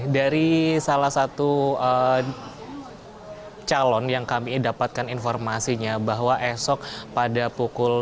dari salah satu calon yang kami dapatkan informasinya bahwa esok pada pukul